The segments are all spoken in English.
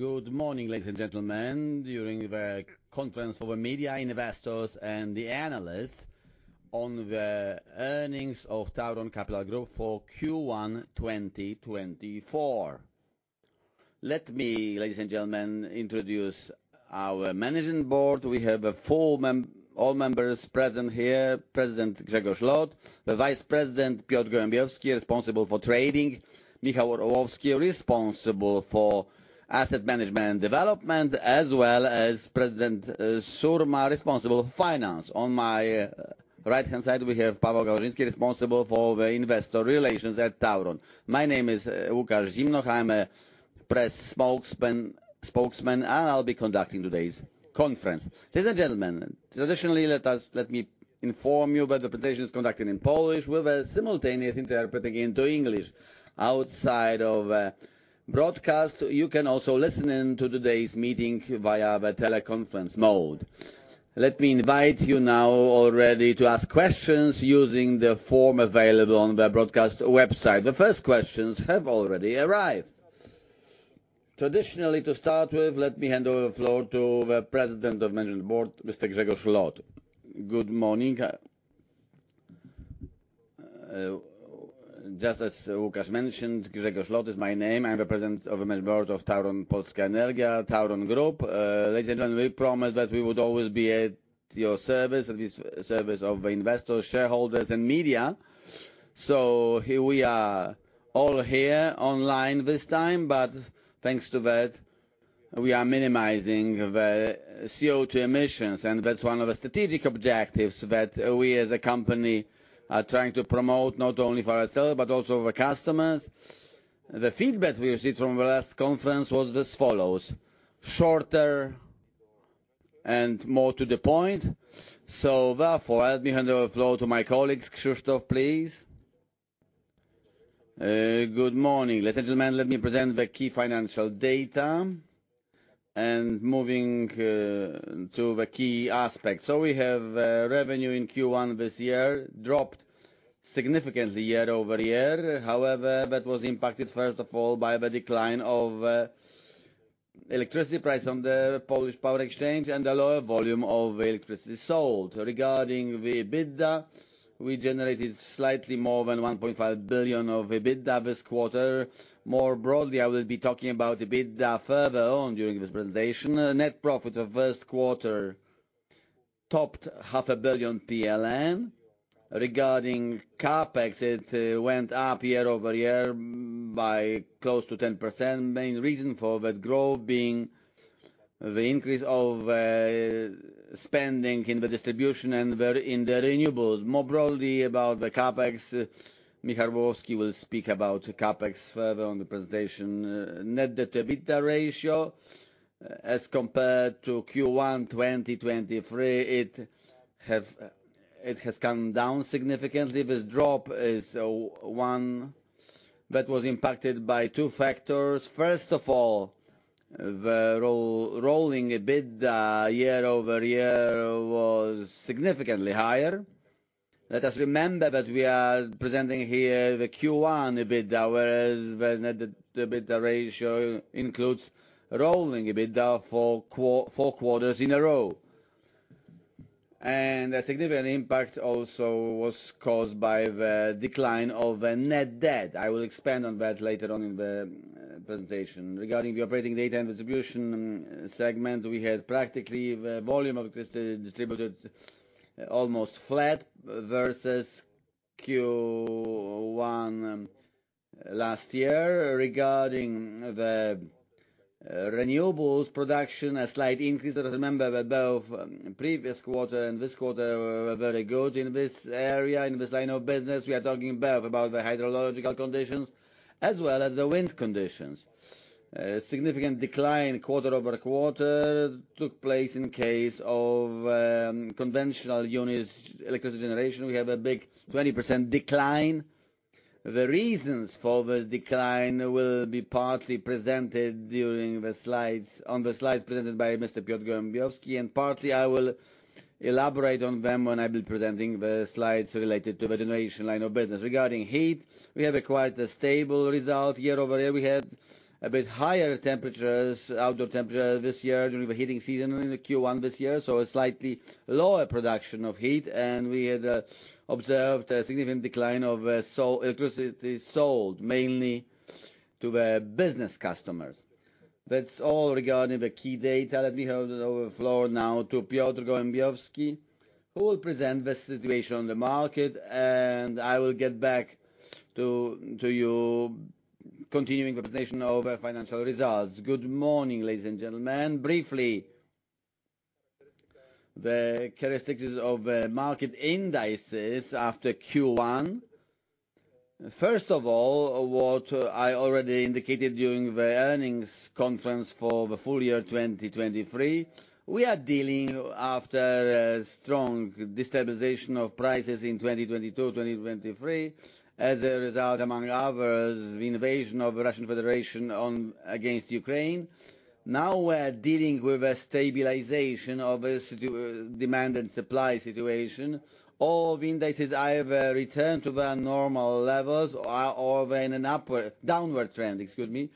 Good morning, ladies and gentlemen. During the conference for the media, investors, and the analysts on the earnings of Tauron Capital Group for Q1 2024. Let me, ladies and gentlemen, introduce our managing board. We have all members present here, President Grzegorz Lot, the Vice President, Piotr Gołębiowski, responsible for trading. Michał Orłowski, responsible for asset management and development, as well as President Surma, responsible for finance. On my right-hand side, we have Paweł Gaworzyński, responsible for the investor relations at Tauron. My name is Łukasz Zimnoch. I'm a press spokesman, and I'll be conducting today's conference. Ladies and gentlemen, traditionally, let me inform you that the presentation is conducted in Polish with simultaneous interpreting into English. Outside of broadcast, you can also listen in to today's meeting via the teleconference mode. Let me invite you now already to ask questions using the form available on the broadcast website. The first questions have already arrived. Traditionally, to start with, let me hand over the floor to the President of the Management Board, Mr. Grzegorz Lot. Good morning. Just as Łukasz mentioned, Grzegorz Lot is my name. I'm the president of the Management Board of Tauron Polska Energia, Tauron Group. Ladies and gentlemen, we promised that we would always be at your service, at the service of the investors, shareholders, and media. So here we are, all here online this time, but thanks to that, we are minimizing the CO2 emissions, and that's one of the strategic objectives that we, as a company, are trying to promote, not only for ourselves, but also the customers. The feedback we received from the last conference was as follows: shorter and more to the point. Therefore, let me hand over the floor to my colleagues. Krzysztof, please. Good morning. Ladies and gentlemen, let me present the key financial data, and moving to the key aspects. So we have revenue in Q1 this year dropped significantly year-over-year. However, that was impacted, first of all, by the decline of electricity price on the Polish Power Exchange and the lower volume of electricity sold. Regarding the EBITDA, we generated slightly more than 1.5 billion of EBITDA this quarter. More broadly, I will be talking about EBITDA further on during this presentation. Net profit of first quarter topped 0.5 billion PLN. Regarding CapEx, it went up year-over-year by close to 10%. Main reason for that growth being the increase of spending in the distribution and the, in the renewables. More broadly, about the CapEx, Michał Orłowski will speak about CapEx further on the presentation. Net debt to EBITDA ratio as compared to Q1 2023, it has come down significantly. The drop is one that was impacted by two factors. First of all, the rolling EBITDA year-over-year was significantly higher. Let us remember that we are presenting here the Q1 EBITDA, whereas the net EBITDA ratio includes rolling EBITDA for four quarters in a row. And a significant impact also was caused by the decline of a net debt. I will expand on that later on in the presentation. Regarding the operating data and distribution segment, we had practically the volume of electricity distributed almost flat versus Q1 last year. Regarding the renewables production, a slight increase. Let us remember that both previous quarter and this quarter were very good in this area. In this line of business, we are talking both about the hydrological conditions as well as the wind conditions. A significant decline quarter-over-quarter took place in case of conventional units, electricity generation. We have a big 20% decline. The reasons for this decline will be partly presented during the slides - on the slides presented by Mr. Piotr Gołębiowski, and partly I will elaborate on them when I'll be presenting the slides related to the generation line of business. Regarding heat, we have quite a stable result year-over-year. We had a bit higher temperatures, outdoor temperature this year during the heating season in the Q1 this year, so a slightly lower production of heat, and we had observed a significant decline of electricity sold, mainly to the business customers. That's all regarding the key data. Let me hand over the floor now to Piotr Gołębiowski, who will present the situation on the market, and I will get back to you, continuing the presentation over financial results. Good morning, ladies and gentlemen. Briefly, the characteristics of market indices after Q1. First of all, what I already indicated during the earnings conference for the full year, 2023, we are dealing after a strong destabilization of prices in 2022, 2023, as a result, among others, the invasion of the Russian Federation against Ukraine. Now we're dealing with a stabilization of the demand and supply situation. All the indices either return to their normal levels or in an upward, downward trend, excuse me.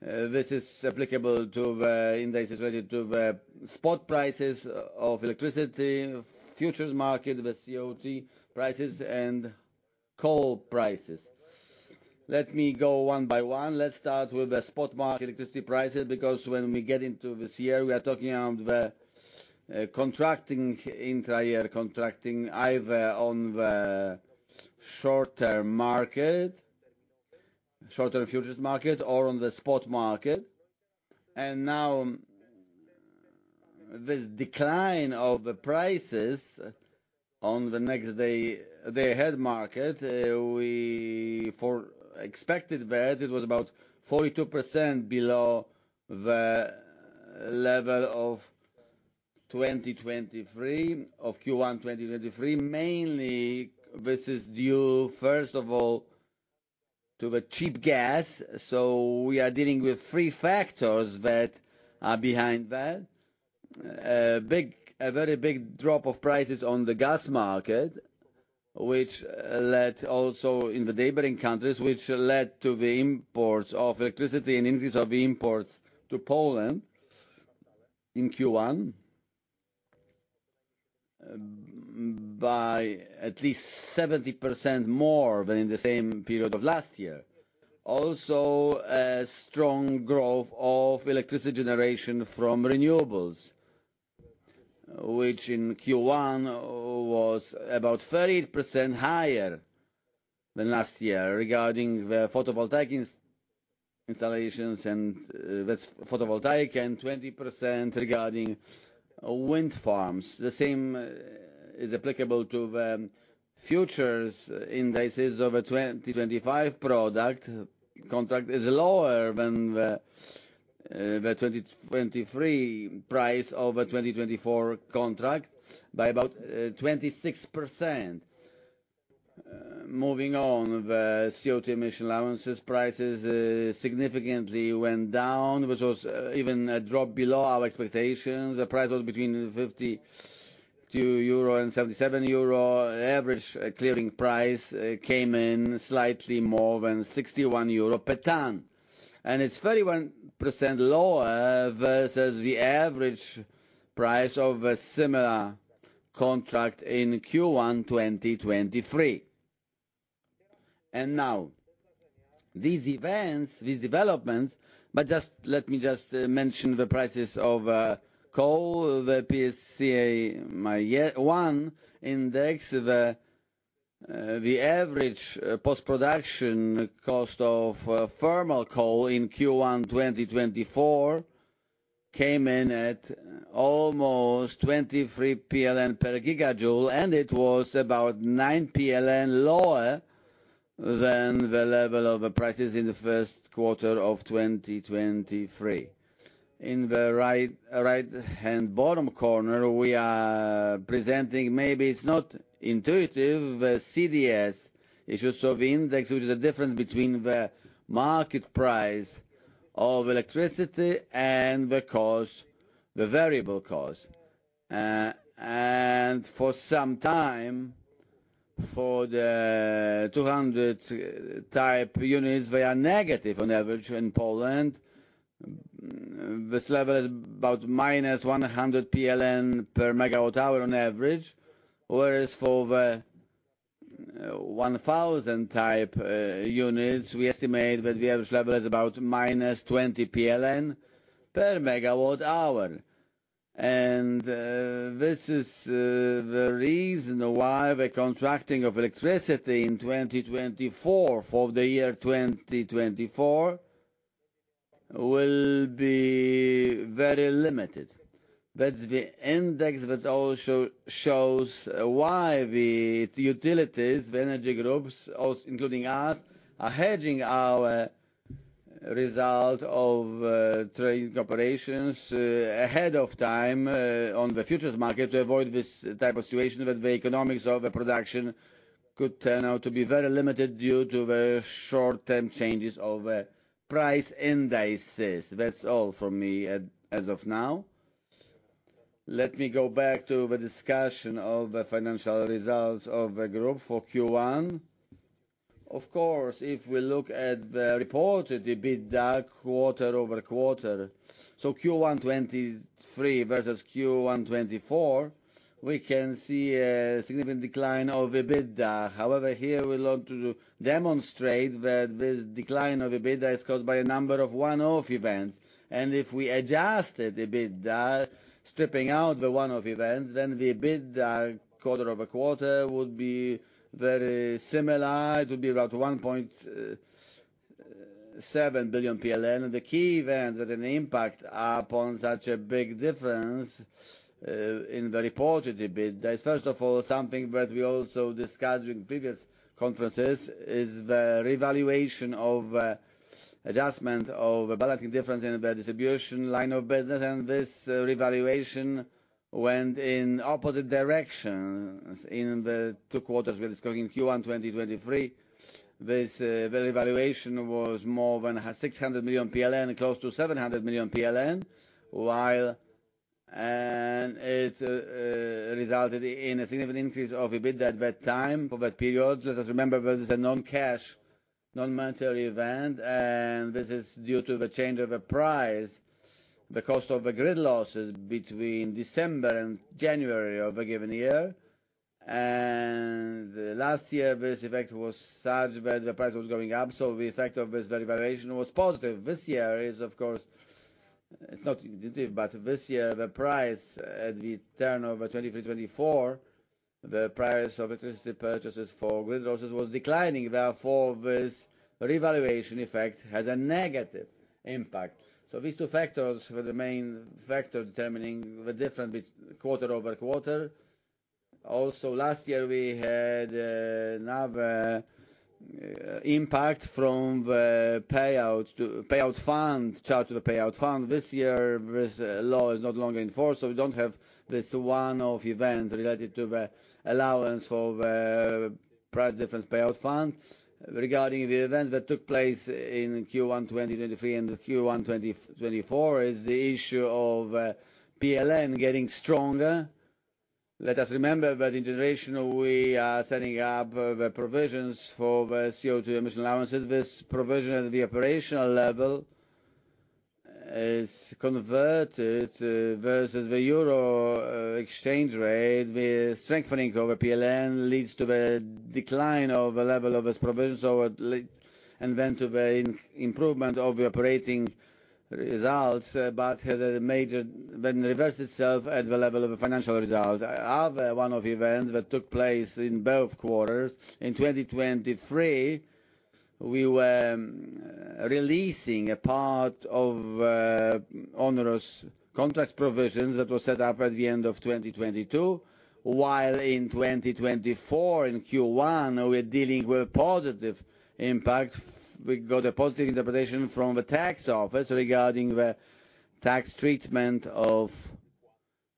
This is applicable to the, in this related to the spot prices of electricity, futures market, the CO2 prices, and coal prices. Let me go one by one. Let's start with the spot market electricity prices, because when we get into this year, we are talking on the contracting, intra-year contracting, either on the short-term market, short-term futures market, or on the spot market. And now, this decline of the prices on the next day, day-ahead market, we forecasted that it was about 42% below the level of 2023, of Q1 2023. Mainly, this is due, first of all, to the cheap gas. So we are dealing with three factors that are behind that. A very big drop of prices on the gas market, which led also in the neighboring countries, which led to the imports of electricity and increase of imports to Poland in Q1 by at least 70% more than in the same period of last year. Also, a strong growth of electricity generation from renewables, which in Q1 was about 30% higher than last year regarding the photovoltaic installations, and that's photovoltaic, and 20% regarding wind farms. The same is applicable to the futures indices of a 2025 product. Contract is lower than the 2023 price over 2024 contract by about 26%. Moving on, the CO2 emission allowances prices significantly went down, which was even a drop below our expectations. The price was between 52 euro and 77 euro. Average clearing price came in slightly more than 61 euro per ton. It's 31% lower versus the average price of a similar contract in Q1 2023. Now, these events, these developments, but let me just mention the prices of coal, the PSCMI 1 index, the average post production cost of thermal coal in Q1 2024, came in at almost 23 PLN per gigajoule, and it was about 9 PLN lower than the level of the prices in the first quarter of 2023. In the right-hand bottom corner, we are presenting, maybe it's not intuitive, the CDS index, which is the difference between the market price of electricity and the cost, the variable cost. And for some time, for the 200 type units, they are negative on average in Poland. This level is about -100 PLN per MWh on average, whereas for the 1000 type units, we estimate that the average level is about -20 PLN per MWh. And this is the reason why the contracting of electricity in 2024, for the year 2024, will be very limited. That's the index which also shows why the utilities, the energy groups, also including us, are hedging our result of trading operations ahead of time on the futures market to avoid this type of situation, that the economics of the production could turn out to be very limited due to the short-term changes of the price indices. That's all from me as of now. Let me go back to the discussion of the financial results of the group for Q1. Of course, if we look at the reported, the EBITDA quarter-over-quarter, so Q1 2023 versus Q1 2024, we can see a significant decline of EBITDA. However, here we look to demonstrate that this decline of EBITDA is caused by a number of one-off events, and if we adjusted EBITDA, stripping out the one-off events, then the EBITDA quarter-over-quarter would be very similar. It would be about 1.7 billion PLN. The key events with an impact upon such a big difference in the reported EBITDA is, first of all, something that we also discussed in previous conferences, is the revaluation of, adjustment of the balancing difference in the distribution line of business, and this revaluation went in opposite directions. In the two quarters, with this going in Q1 2023, this, the revaluation was more than 600 million PLN, close to 700 million PLN, while, it resulted in a significant increase of EBITDA at that time, over that period. Just remember, this is a non-cash, non-monetary event, and this is due to the change of the price, the cost of the grid losses between December and January of a given year. And last year, this effect was such where the price was going up, so the effect of this revaluation was positive. This year is of course, it's not, but this year, the price at the turn of 2023, 2024, the price of electricity purchases for grid losses was declining. Therefore, this revaluation effect has a negative impact. So these two factors were the main factor determining the difference between quarter-over-quarter. Also, last year, we had another impact from the payout to payout fund, charge to the payout fund. This year, this law is no longer in force, so we don't have this one-off event related to the allowance for the price difference payout fund. Regarding the events that took place in Q1, 2023 and Q1, 2024, is the issue of PLN getting stronger. Let us remember that in generation, we are setting up the provisions for the CO2 emission allowances. This provision at the operational level is converted versus the Euro exchange rate. The strengthening of the PLN leads to the decline of the level of this provision, so it and then to the improvement of the operating results, but has a major then reverse itself at the level of the financial results. Other one-off events that took place in both quarters, in 2023, we were releasing a part of onerous contracts provisions that were set up at the end of 2022. While in 2024, in Q1, we're dealing with a positive impact. We got a positive interpretation from the tax office regarding the tax treatment of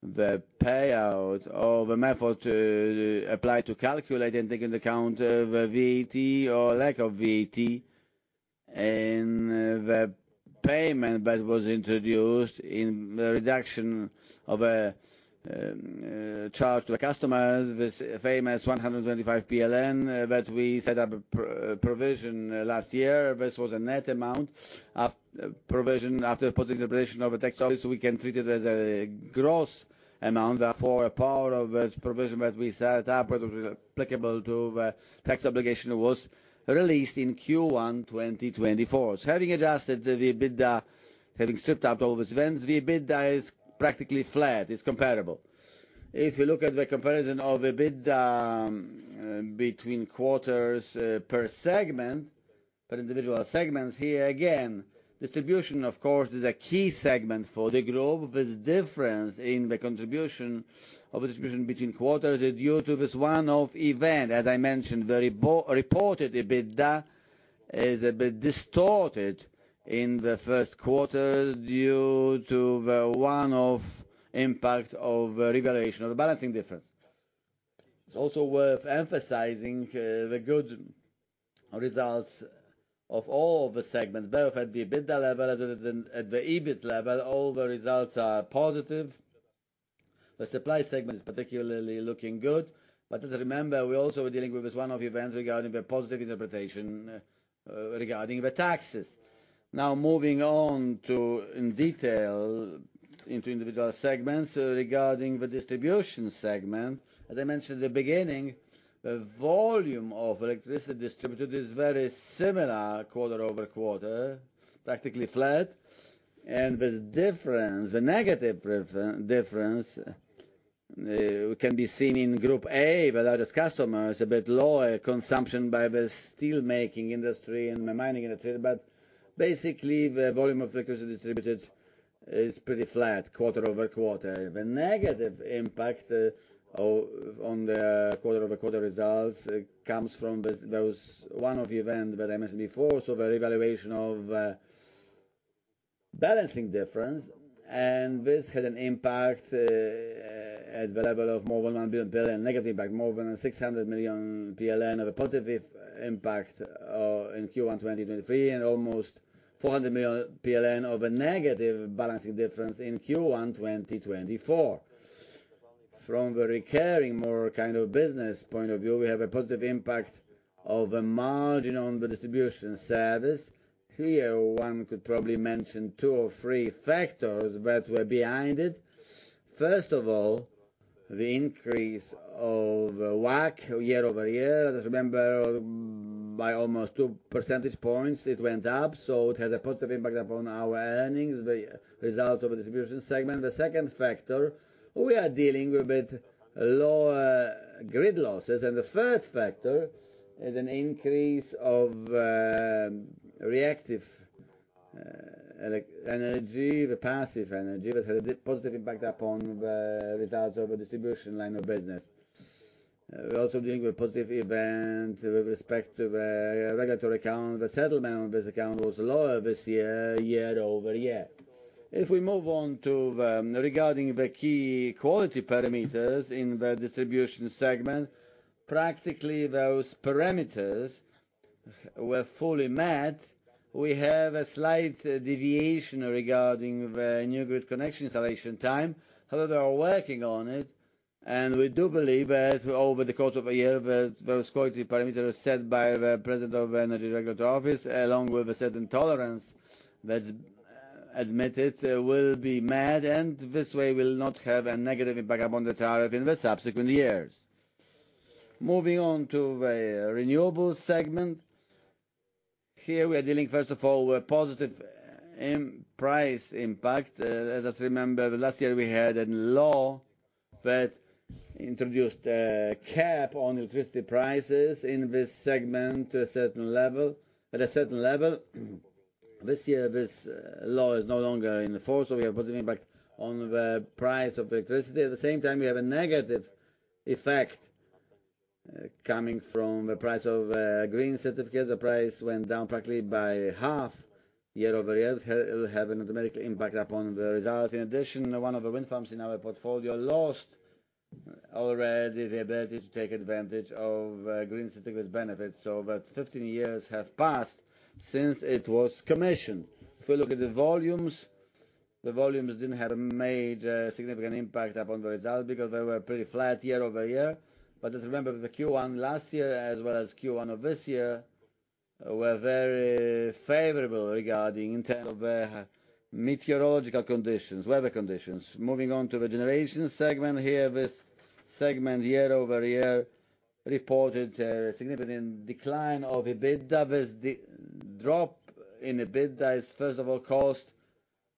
the payout, or the method applied to calculate and take into account the VAT or lack of VAT. The payment that was introduced in the reduction of a charge to the customers, this famous 125 PLN, that we set up a provision last year. This was a net amount. Provision, after putting the provision of a tax office, we can treat it as a gross amount. Therefore, a part of this provision that we set up, was applicable to the tax obligation, was released in Q1 2024. So having adjusted the EBITDA, having stripped out all these events, the EBITDA is practically flat, it's comparable. If you look at the comparison of EBITDA between quarters, per segment, per individual segments, here again, distribution, of course, is a key segment for the group. This difference in the contribution of the distribution between quarters is due to this one-off event. As I mentioned, the reported EBITDA is a bit distorted in the first quarter due to the one-off impact of revaluation of the balancing difference. It's also worth emphasizing the good results of all the segments, both at the EBITDA level as it is at the EBIT level, all the results are positive. The supply segment is particularly looking good. But just remember, we're also dealing with this one-off event regarding the positive interpretation regarding the taxes. Now, moving on to, in detail, into individual segments. Regarding the distribution segment, as I mentioned at the beginning, the volume of electricity distributed is very similar quarter-over-quarter, practically flat. The difference, the negative difference, can be seen in Group A, with our largest customers, a bit lower consumption by the steelmaking industry and the mining industry. But basically, the volume of electricity distributed is pretty flat quarter-over-quarter. The negative impact on the quarter-over-quarter results comes from this, those one-off event that I mentioned before, so the revaluation of balancing difference, and this had an impact at the level of more than 1 billion negative impact, more than 600 million PLN of a positive impact in Q1 2023, and almost 400 million PLN of a negative balancing difference in Q1 2024. From the recurring, more kind of business point of view, we have a positive impact of a margin on the distribution service. Here, one could probably mention two or three factors that were behind it. First of all, the increase of WACC year-over-year, just remember, by almost 2 percentage points, it went up, so it has a positive impact upon our earnings, the results of the distribution segment. The second factor, we are dealing with a bit lower grid losses, and the third factor is an increase of reactive energy, the passive energy, which had a positive impact upon the results of the distribution line of business. We're also dealing with a positive event with respect to the regulatory account. The settlement on this account was lower this year, year-over-year. If we move on to regarding the key quality parameters in the distribution segment, practically, those parameters were fully met. We have a slight deviation regarding the new grid connection installation time. However, they are working on it, and we do believe that over the course of a year, the, those quality parameters set by the President of the Energy Regulatory Office, along with a certain tolerance that's admitted, will be met, and this way will not have a negative impact upon the tariff in the subsequent years. Moving on to the renewable segment. Here we are dealing, first of all, with positive price impact. As I remember, last year we had a law that introduced a cap on electricity prices in this segment to a certain level, at a certain level. This year, this law is no longer in force, so we have a positive impact on the price of electricity. At the same time, we have a negative effect coming from the price of green certificates. The price went down practically by half year-over-year. It will have an automatic impact upon the results. In addition, one of the wind farms in our portfolio lost already the ability to take advantage of green certificates benefits, so that 15 years have passed since it was commissioned. If we look at the volumes, the volumes didn't have a major significant impact upon the results because they were pretty flat year-over-year. But just remember, the Q1 last year, as well as Q1 of this year, were very favorable regarding in terms of meteorological conditions, weather conditions. Moving on to the generation segment here. This segment, year-over-year, reported a significant decline of EBITDA. This drop in EBITDA is, first of all, caused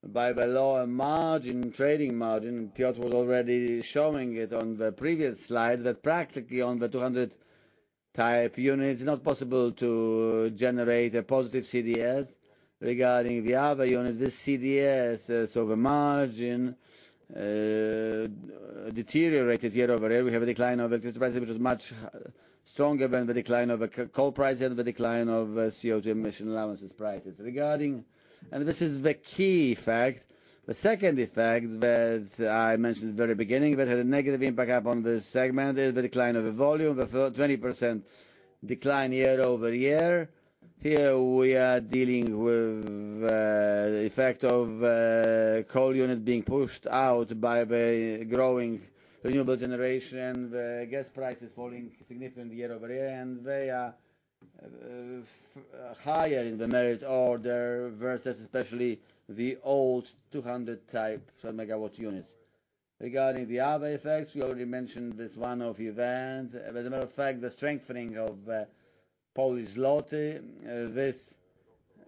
by the lower margin, trading margin. Piotr was already showing it on the previous slide, that practically on the 200 type units, it's not possible to generate a positive CDS. Regarding the other units, this CDS, so the margin, deteriorated year-over-year. We have a decline of electricity, which is much stronger than the decline of a coal price and the decline of CO2 emission allowances prices. Regarding, and this is the key fact, the second effect that I mentioned at the very beginning, that had a negative impact upon this segment, is the decline of the volume, the 20% decline year-over-year. Here, we are dealing with, the effect of, coal units being pushed out by the growing renewable generation, the gas prices falling significantly year-over-year, and they are, higher in the merit order versus especially the old 200-type megawatt units. Regarding the other effects, we already mentioned this one-off event. As a matter of fact, the strengthening of Polish zloty this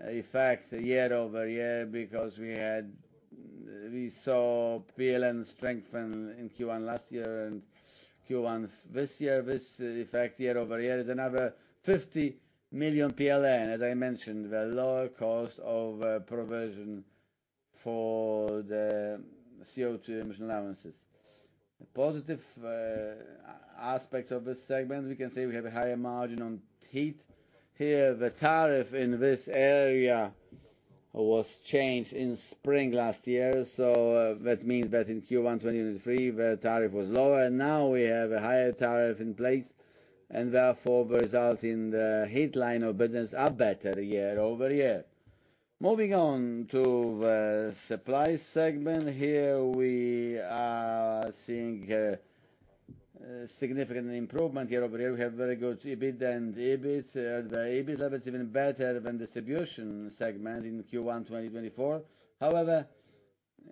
effect year-over-year, because we saw PLN strengthen in Q1 last year and Q1 this year. This effect, year-over-year, is another 50 million PLN, as I mentioned, the lower cost of provision for the CO2 emission allowances. The positive aspects of this segment, we can say we have a higher margin on heat. Here, the tariff in this area was changed in spring last year, so that means that in Q1 2023, the tariff was lower, and now we have a higher tariff in place, and therefore, the results in the heat line of business are better year-over-year. Moving on to the supply segment. Here, we are seeing a significant improvement year-over-year. We have very good EBIT and EBIT. The EBIT level is even better than distribution segment in Q1 2024. However,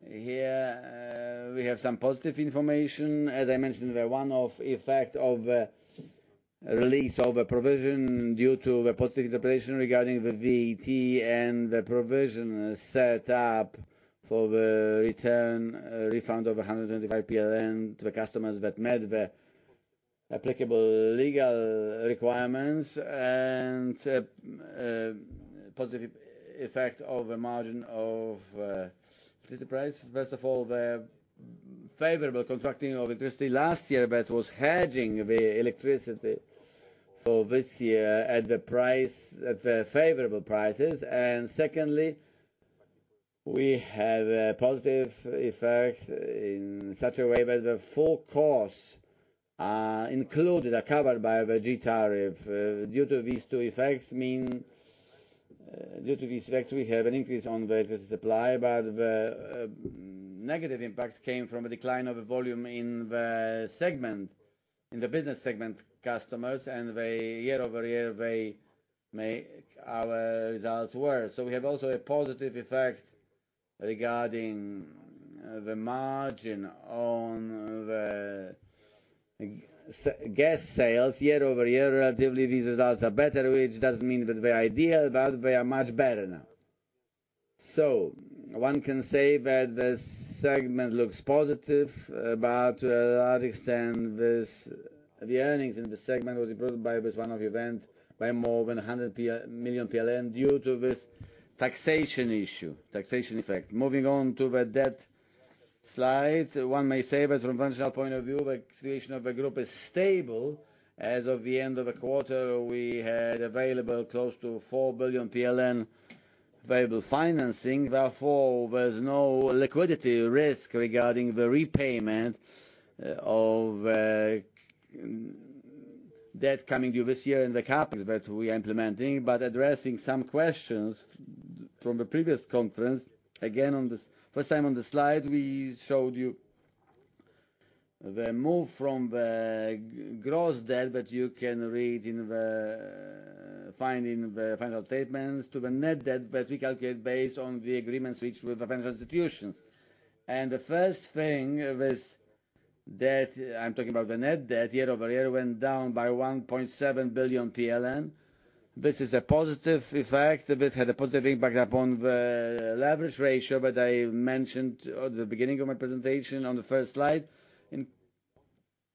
here, we have some positive information. As I mentioned, the one-off effect of release of a provision due to the positive interpretation regarding the VAT and the provision set up for the return, refund of 125 PLN to the customers that met the applicable legal requirements and positive effect of a margin of spot price. First of all, the favorable contracting of electricity last year, that was hedging the electricity for this year at the price, at the favorable prices. And secondly, we have a positive effect in such a way that the full costs are included, are covered by the G Tariff. Due to these two effects, due to these effects, we have an increase on the electricity supply, but the negative impact came from a decline of volume in the segment, in the business segment, customers, and the year-over-year, they make our results worse. So we have also a positive effect regarding the margin on the gas sales. Year-over-year, relatively, these results are better, which doesn't mean that they're ideal, but they are much better now. So one can say that the segment looks positive, but to a large extent, this, the earnings in this segment was improved by this one-off event by more than 100 million PLN due to this taxation issue, taxation effect. Moving on to the debt slide. One may say that from a functional point of view, the financial position of the Group is stable. As of the end of the quarter, we had available close to 4 billion PLN available financing, therefore, there's no liquidity risk regarding the repayment of debt coming due this year and the CapEx that we are implementing. But addressing some questions from the previous conference, again, on the first time on the slide, we showed you the move from the gross debt, that you can read in the find in the final statements, to the net debt that we calculate based on the agreements reached with the financial institutions. The first thing with debt, I'm talking about the net debt, year-over-year, went down by 1.7 billion PLN. This is a positive effect. This had a positive impact upon the leverage ratio that I mentioned at the beginning of my presentation on the first slide, in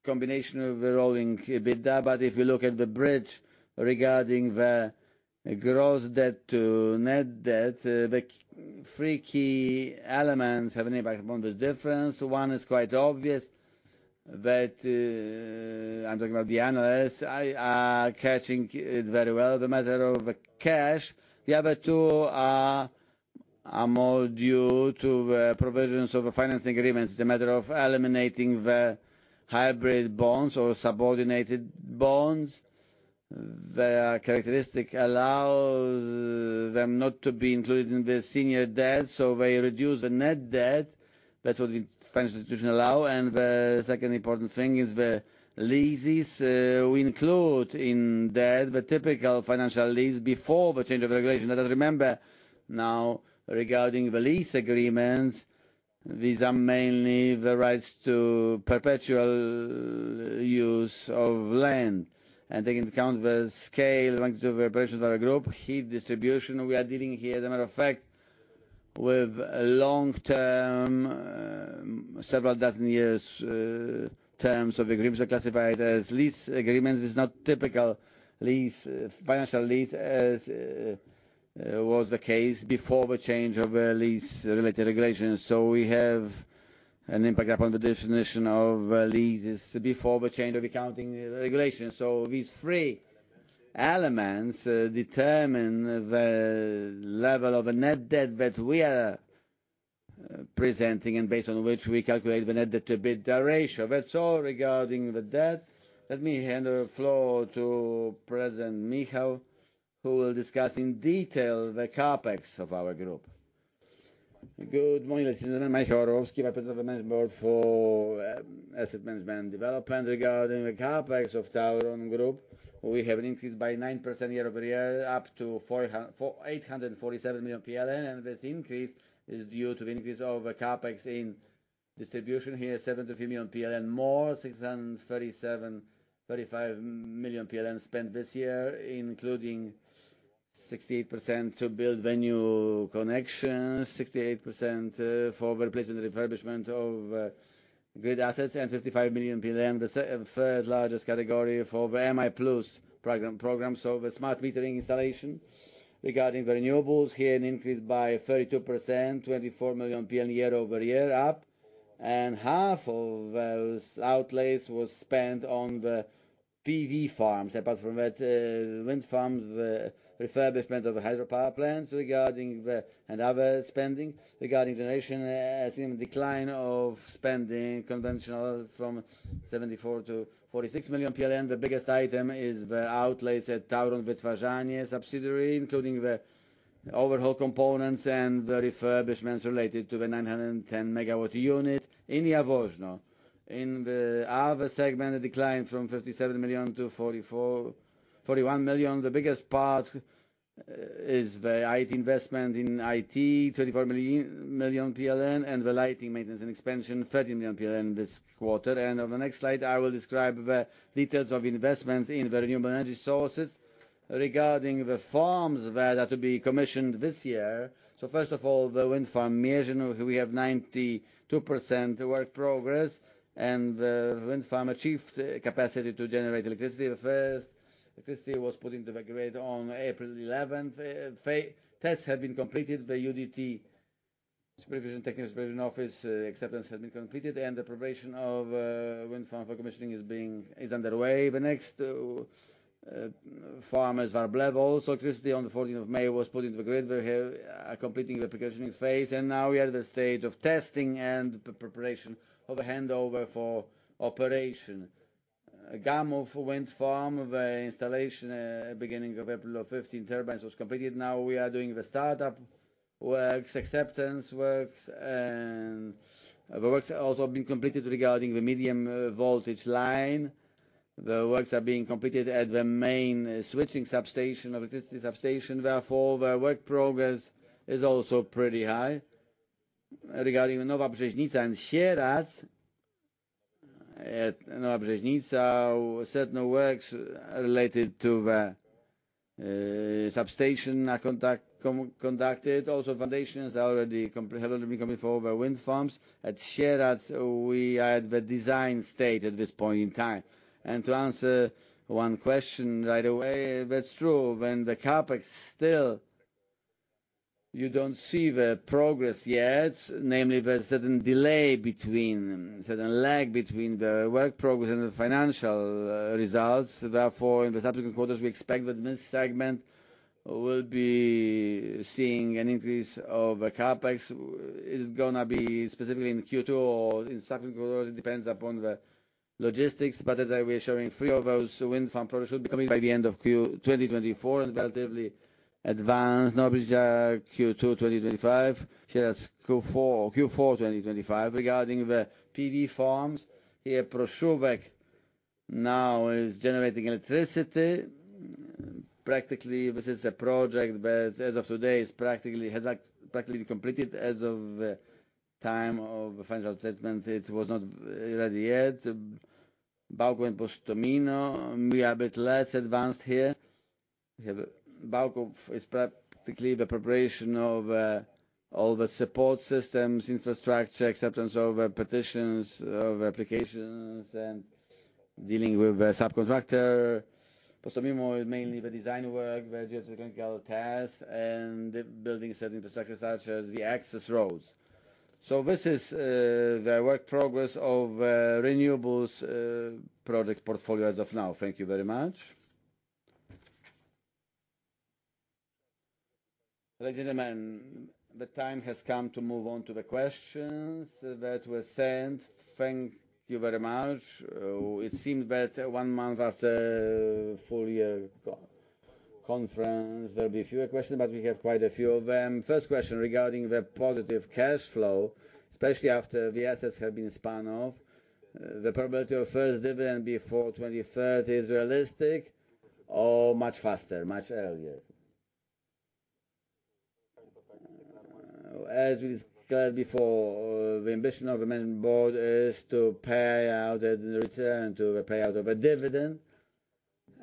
combination of the rolling EBITDA. But if you look at the bridge regarding the gross debt to net debt, the three key elements have an impact on this difference. One is quite obvious, that I'm talking about the analysts, I, catching it very well, the matter of cash. The other two are more due to provisions of the financing agreements. It's a matter of eliminating the hybrid bonds or subordinated bonds. Their characteristic allows them not to be included in the senior debt, so they reduce the net debt. That's what the financial institution allow. And the second important thing is the leases. We include in that, the typical financial lease before the change of regulation. Let us remember now, regarding the lease agreements, these are mainly the rights to perpetual use of land, and taking into account the scale and length of operations of our group, heat distribution, we are dealing here, as a matter of fact, with a long-term, several dozen years, terms of agreements are classified as lease agreements. It's not typical lease, financial lease, as was the case before the change of the lease-related regulations. So we have an impact upon the definition of leases before the change of accounting regulations. So these three elements determine the level of a net debt that we are presenting, and based on which we calculate the net debt to EBITDA ratio. That's all regarding the debt. Let me hand over the floor to President Michał, who will discuss in detail the CapEx of our group. Good morning, ladies and gentlemen, Michał Orłowski, President of the Management Board for Asset Management Development. Regarding the CapEx of Tauron Group, we have an increase by 9% year-over-year, up to 847 million PLN. And this increase is due to the increase of the CapEx in distribution here, 73 million PLN more, 637 million, 35 million PLN spent this year, including 68% to build the new connections, 68% for replacement and refurbishment of grid assets, and 55 million, the third largest category for the AMIplus program. So the smart metering installation. Regarding the renewables, here an increase by 32%, 24 million year-over-year up, and half of those outlays was spent on the PV farms. Apart from that, wind farms, the refurbishment of the hydropower plants. Regarding the and other spending, regarding generation, I see a decline of spending conventional, from 74 million to 46 million PLN. The biggest item is the outlays at Tauron Wytwarzanie subsidiary, including the overhaul components and the refurbishments related to the 910 MW unit in Jaworzno. In the other segment, a decline from 57 million to 44, 41 million. The biggest part is the IT investment in IT, 34 million PLN, and the lighting, maintenance, and expansion, 13 million PLN this quarter. On the next slide, I will describe the details of investments in the renewable energy sources. Regarding the farms that are to be commissioned this year, so first of all, the wind farm, Mierzyn, we have 92% work progress, and the wind farm achieved capacity to generate electricity. The first electricity was put into the grid on April eleventh. Final tests have been completed. The UDT, Supervision, Technical Supervision office, acceptance has been completed, and the preparation of wind farm for commissioning is underway. The next farm is Warblewo. So electricity on the fourteenth of May was put into the grid. We are completing the commissioning phase, and now we are at the stage of testing and preparation of the handover for operation. Gamów wind farm, the installation, beginning of April of 15 turbines was completed. Now we are doing the startup works, acceptance works, and the works have also been completed regarding the medium voltage line. The works are being completed at the main switching substation, electricity substation, therefore, the work progress is also pretty high. Regarding the Nowa Brzeźnica and Sieradz, at Nowa Brzeźnica, certain works related to the substation are conducted. Also, foundations are already completely, have already been completed for the wind farms. At Sieradz, we are at the design stage at this point in time. To answer one question right away, that's true, when the CapEx still... you don't see the progress yet, namely the certain delay between, certain lag between the work progress and the financial, results. Therefore, in the subsequent quarters, we expect that this segment... We'll be seeing an increase of, CapEx. Is it gonna be specifically in Q2 or in subsequent quarters? It depends upon the logistics, but as I was showing, three of those wind farm projects should be coming by the end of Q 2024, and relatively advanced. Now, Q2 2025. Here is Q4 2025. Regarding the PV farms, here Proszówek now is generating electricity. Practically, this is a project that as of today has practically been completed. As of time of the financial statement, it was not ready yet. Bałków and Postomino, we are a bit less advanced here. We have Bałków is practically the preparation of all the support systems, infrastructure, acceptance of petitions, of applications, and dealing with the subcontractor. Postomino is mainly the design work, the geotechnical tasks, and the building certain infrastructure, such as the access roads. So this is the work progress of renewables project portfolio as of now. Thank you very much. Ladies and gentlemen, the time has come to move on to the questions that were sent. Thank you very much. It seems that one month after full year conference, there'll be fewer questions, but we have quite a few of them. First question regarding the positive cash flow, especially after the assets have been spun off. The probability of first dividend before 2030 is realistic or much faster, much earlier? As we stated before, the ambition of the main board is to pay out a return, to the payout of a dividend.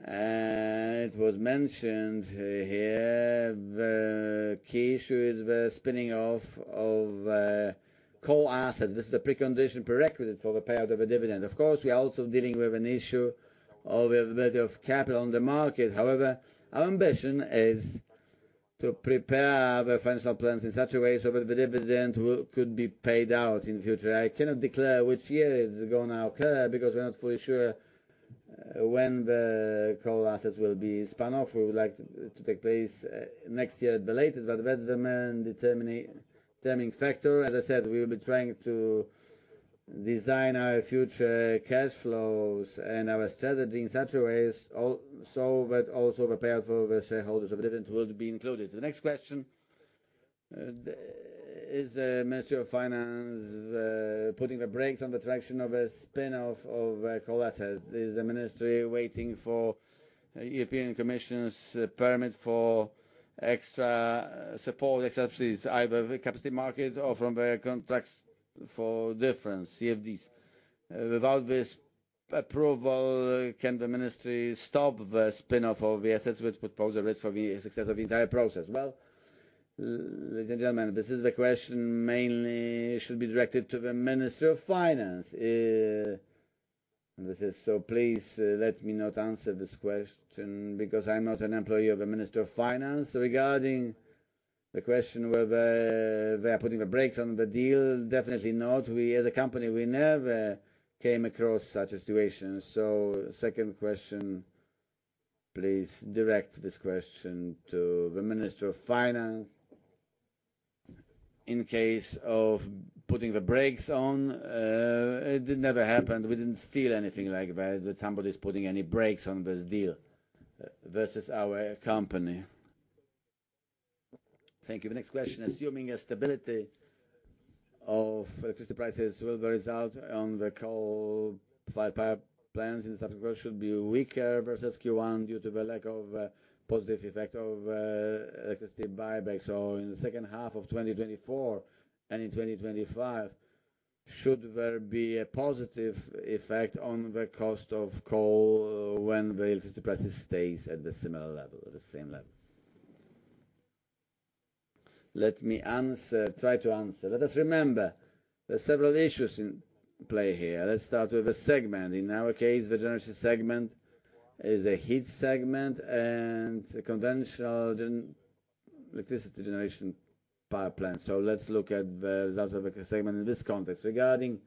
And it was mentioned here, the key issue is the spinning off of coal assets. This is a precondition, prerequisite for the payout of a dividend. Of course, we are also dealing with an issue of availability of capital on the market. However, our ambition is to prepare the financial plans in such a way so that the dividend could be paid out in future. I cannot declare which year it's gonna occur, because we're not fully sure when the coal assets will be spun off. We would like it to take place next year at the latest, but that's the main determining factor. As I said, we will be trying to design our future cash flows and our strategy in such a way so that also the payout for the shareholders of dividend would be included. The next question is the Ministry of Finance putting the brakes on the transaction of a spin-off of coal assets? Is the ministry waiting for European Commission's permit for extra support, especially either the capacity market or from the contracts for difference, CFDs? Without this approval, can the ministry stop the spin-off of the assets, which would pose a risk for the success of the entire process? Well, ladies and gentlemen, this is the question mainly should be directed to the Ministry of Finance. This is so please, let me not answer this question because I'm not an employee of the Ministry of Finance. Regarding the question, whether they are putting the brakes on the deal, definitely not. We, as a company, we never came across such a situation. So second question, please direct this question to the Minister of Finance. In case of putting the brakes on, it never happened. We didn't feel anything like that, that somebody's putting any brakes on this deal versus our company. Thank you. The next question, assuming a stability of electricity prices will the result on the coal-fired power plants in the subsequent should be weaker versus Q1 due to the lack of, positive effect of, electricity buyback? So in the second half of 2024 and in 2025, should there be a positive effect on the cost of coal when the electricity prices stay at the similar level, the same level? Let me answer, try to answer. Let us remember, there are several issues in play here. Let's start with the segment. In our case, the generation segment is a heat segment and a conventional gen electricity generation power plant. So let's look at the result of the segment in this context. Regarding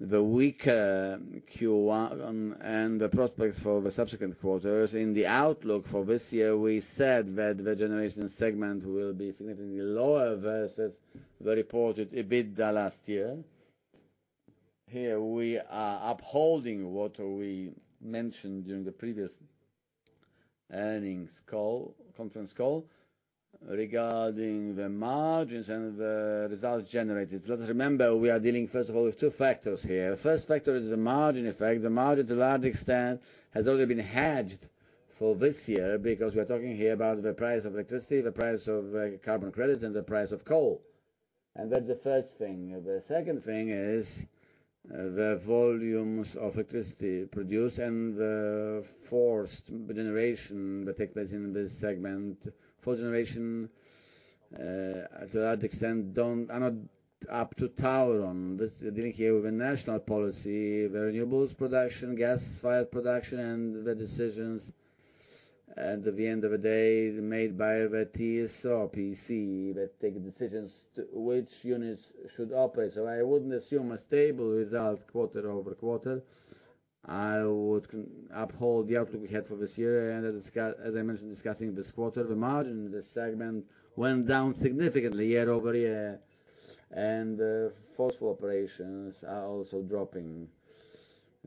the weaker Q1 and the prospects for the subsequent quarters, in the outlook for this year, we said that the generation segment will be significantly lower versus the reported EBITDA last year. Here we are upholding what we mentioned during the previous earnings call, conference call. Regarding the margins and the results generated, let's remember, we are dealing, first of all, with two factors here. First factor is the margin effect. The margin, to a large extent, has already been hedged for this year because we're talking here about the price of electricity, the price of carbon credits, and the price of coal. And that's the first thing. The second thing is the volumes of electricity produced and the forced generation that take place in this segment. Forced generation, to a large extent, are not up to Tauron. This, we're dealing here with a national policy, the renewables production, gas-fired production, and the decisions, at the end of the day, made by the TSO, PSE, that take decisions to which units should operate. So I wouldn't assume a stable result quarter-over-quarter. I would uphold the outlook we had for this year. And as I mentioned, discussing this quarter, the margin in this segment went down significantly year-over-year, and the fossil operations are also dropping.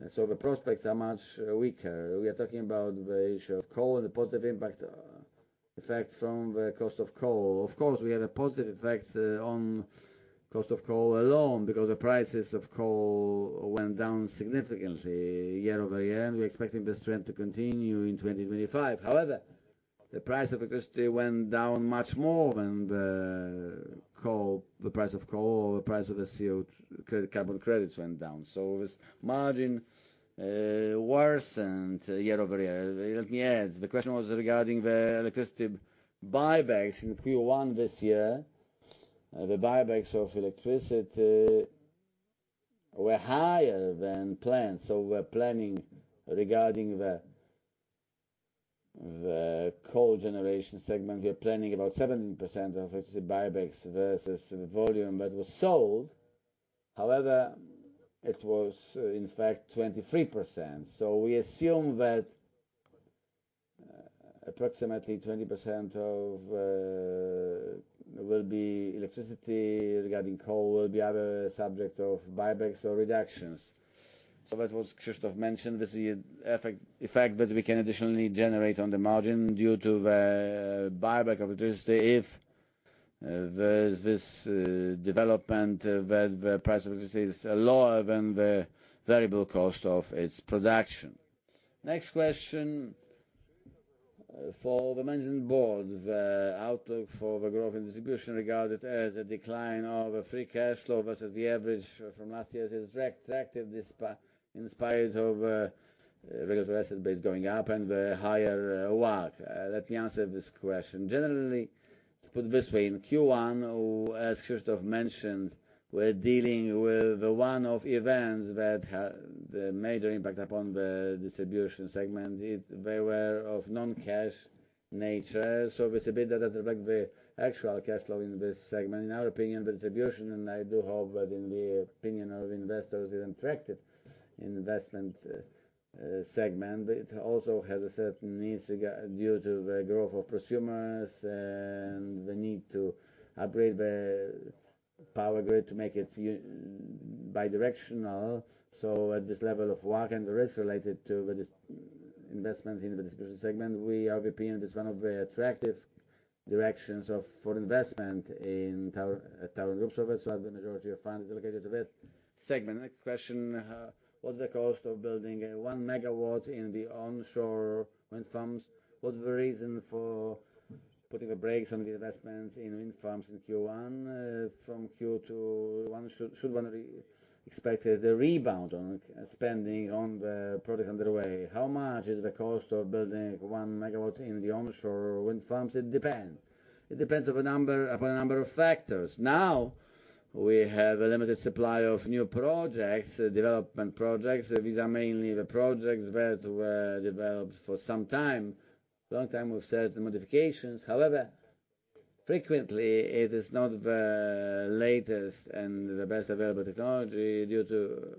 So the prospects are much weaker. We are talking about the issue of coal and the positive impact, effect from the cost of coal. Of course, we had a positive effect on cost of coal alone, because the prices of coal went down significantly year-over-year, and we're expecting this trend to continue in 2025. However, the price of electricity went down much more than the coal, the price of coal, or the price of the CO2 carbon credits went down. So this margin worsened year-over-year. Let me add, the question was regarding the electricity buybacks in Q1 this year. The buybacks of electricity were higher than planned. So we're planning regarding the coal generation segment, we're planning about 17% of electricity buybacks versus the volume that was sold. However, it was in fact 23%. So we assume that approximately 20% of will be electricity. Regarding coal, will be other subject of buybacks or reductions. So that was, Krzysztof mentioned, this is effect that we can additionally generate on the margin due to the buyback of electricity if there's this development, where the price of electricity is lower than the variable cost of its production. Next question for the management board. The outlook for the growth and distribution regarded as a decline of free cash flow versus the average from last year is attractive, despite regulatory asset base going up and the higher WACC. Let me answer this question. Generally, let's put it this way, in Q1, as Krzysztof mentioned, we're dealing with the one-off events that had the major impact upon the distribution segment. They were of non-cash nature, so this a bit doesn't reflect the actual cash flow in this segment. In our opinion, the distribution, and I do hope that in the opinion of investors, is an attractive investment, segment. It also has a certain needs due to the growth of prosumers and the need to upgrade the power grid to make it bi-directional. So at this level of WACC and the risk related to the investments in the distribution segment, we, our opinion, is one of the attractive directions for investment in Tauron Group. So that's why the majority of funds is allocated to that segment. Next question, what's the cost of building a one megawatt in the onshore wind farms? What's the reason for putting the brakes on the investments in wind farms in Q1? From Q2, one should, should one re-expect the rebound on spending on the projects underway? How much is the cost of building one megawatt in the onshore wind farms? It depends. It depends on a number, upon a number of factors. Now, we have a limited supply of new projects, development projects. These are mainly the projects that were developed for some time, long time, with certain modifications. However, frequently it is not the latest and the best available technology due to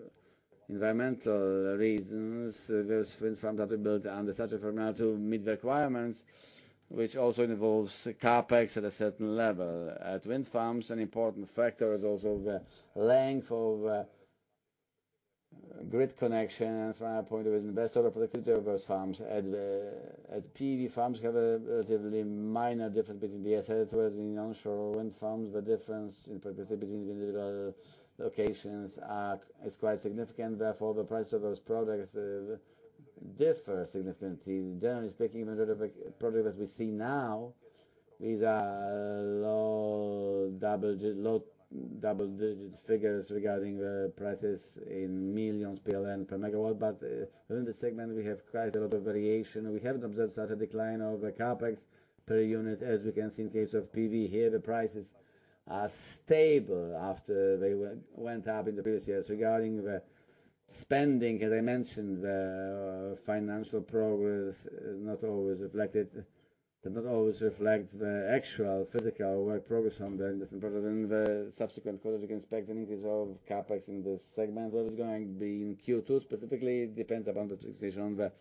environmental reasons. Those wind farms that we built under such a formula to meet the requirements, which also involves CapEx at a certain level. At wind farms, an important factor is also the length of grid connection from our point of investor productivity of those farms. At the PV farms, we have a relatively minor difference between the assets, whereas in onshore wind farms, the difference in productivity between individual locations is quite significant. Therefore, the price of those products differ significantly. Generally speaking, the sort of project that we see now, these are low double-digit figures regarding the prices in millions PLN per megawatt. But within the segment, we have quite a lot of variation. We haven't observed such a decline of CapEx per unit, as we can see in the case of PV. Here, the prices are stable after they went up in the previous years. Regarding the spending, as I mentioned, the financial progress is not always reflected- does not always reflect the actual physical work progress on the investment project and the subsequent quarter, we can expect an increase of CapEx in this segment. What is going to be in Q2 specifically, it depends upon the precision on the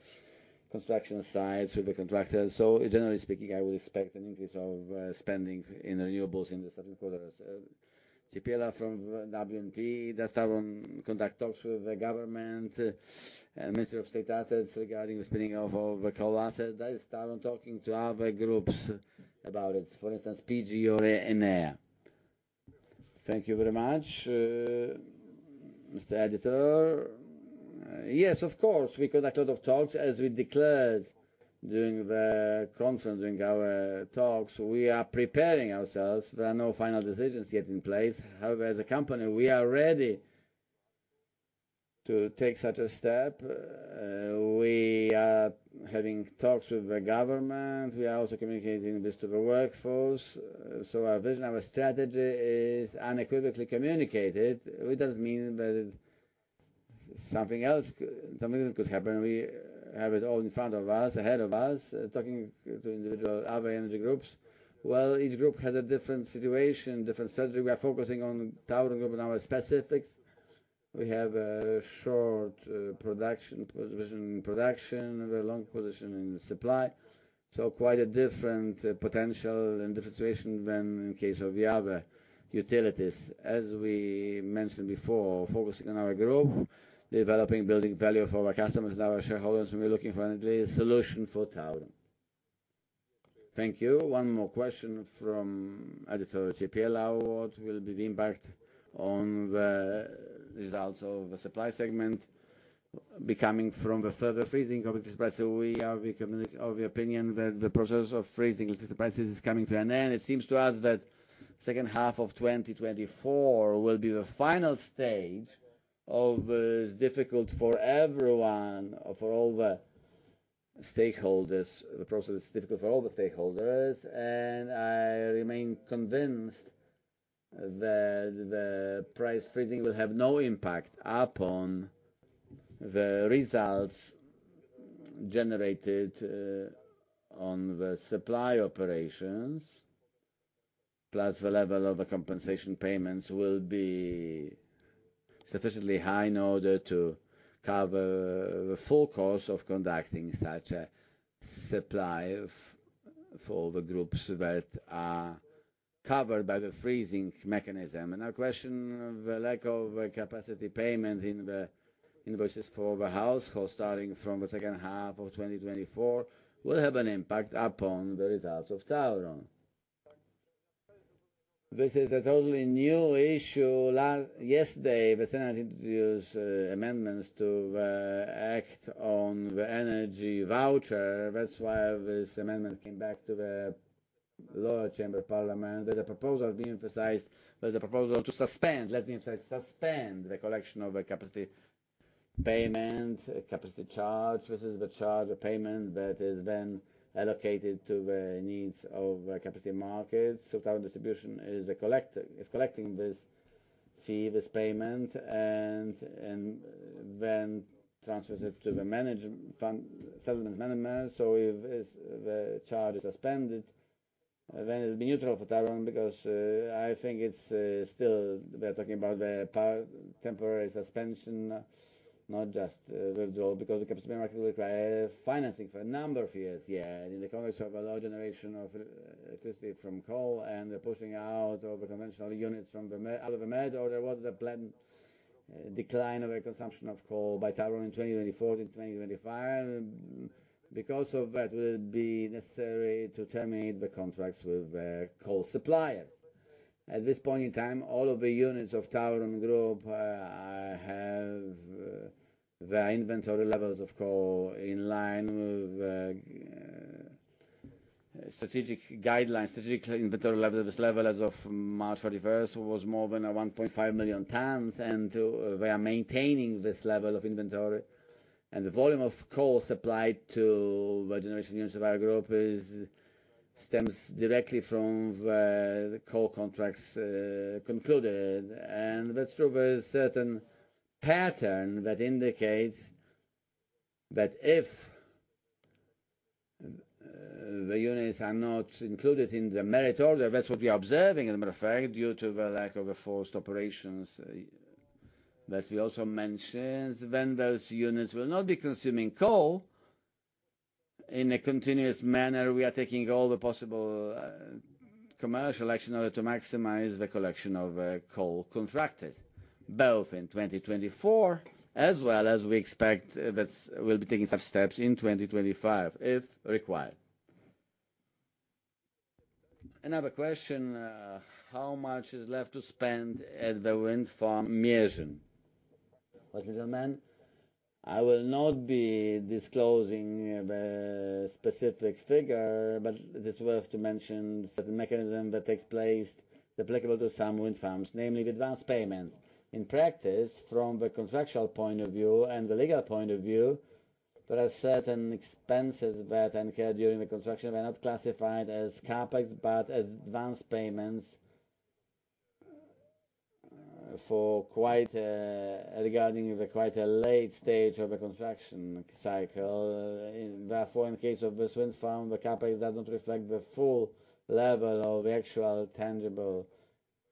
construction sites with the contractors. So generally speaking, I would expect an increase of spending in renewables in the second quarters. GPLA from WNP, does Tauron conduct talks with the government and Ministry of State Assets regarding the spinning of all the coal assets? Does Tauron talking to other groups about it, for instance, PGE or Enea? Thank you very much, Mr. Editor. Yes, of course, we conduct a lot of talks, as we declared during the conference, during our talks, we are preparing ourselves. There are no final decisions yet in place. However, as a company, we are ready to take such a step. We are having talks with the government. We are also communicating this to the workforce. So our vision, our strategy is unequivocally communicated, which doesn't mean that something else, something could happen. We have it all in front of us, ahead of us, talking to individual, other energy groups. Well, each group has a different situation, different strategy. We are focusing on Tauron Group and our specifics. We have a short production position in production, a long position in supply. So quite a different potential and differentiation than in case of the other utilities. As we mentioned before, focusing on our growth, developing, building value for our customers and our shareholders, and we're looking for any solution for Tauron. Thank you. One more question from Editor GPL: "What will be the impact on the results of the supply segment becoming from the further freezing of electricity prices?" We are of the opinion that the process of freezing electricity prices is coming to an end. It seems to us that second half of 2024 will be the final stage of, is difficult for everyone, for all the stakeholders. The process is difficult for all the stakeholders, and I remain convinced that the price freezing will have no impact upon the results generated on the supply operations. Plus, the level of compensation payments will be sufficiently high in order to cover the full cost of conducting such a supply for, for the groups that are covered by the freezing mechanism. Another question, "The lack of capacity payment in the invoices for the household starting from the second half of 2024 will have an impact upon the results of Tauron?" This is a totally new issue. Yesterday, the Senate introduced amendments to the Act on the Energy Voucher. That's why this amendment came back to the lower chamber of parliament. There's a proposal to suspend, let me emphasize, suspend the collection of a capacity payment, a capacity charge. This is the charge or payment that is then allocated to the needs of the capacity markets. So Tauron distribution is a collector, is collecting this fee, this payment, and then transfers it to the fund settlement management. So if it's the charge is suspended, then it'll be neutral for Tauron, because I think it's still we are talking about the power temporary suspension, not just withdrawal, because the capacity market will require financing for a number of years. Yeah, in the context of a low generation of electricity from coal and the pushing out of the conventional units from the merit order, there was the planned decline of a consumption of coal by Tauron in 2024 and in 2025. And because of that, it will be necessary to terminate the contracts with coal suppliers. At this point in time, all of the units of Tauron Group have the inventory levels of coal in line with strategic guidelines. Strategic inventory level, this level as of March 31st, was more than 1.5 million tonnes, and we are maintaining this level of inventory. The volume of coal supplied to the generation units of our group stems directly from the coal contracts concluded. That's true, there is a certain pattern that indicates that if the units are not included in the merit order, that's what we are observing, as a matter of fact, due to the lack of a forced operations. But we also mentioned when those units will not be consuming coal in a continuous manner, we are taking all the possible commercial action in order to maximize the collection of coal contracted, both in 2024 as well as we expect that we'll be taking such steps in 2025, if required. Another question, "How much is left to spend at the wind farm, Mierzyn?" What does it mean? I will not be disclosing the specific figure, but it is worth to mention certain mechanism that takes place applicable to some wind farms, namely the advanced payments. In practice, from the contractual point of view and the legal point of view, there are certain expenses that are incurred during the construction. They are not classified as CapEx, but as advanced payments for quite a late stage of the construction cycle. Therefore, in the case of this wind farm, the CapEx does not reflect the full level of actual tangible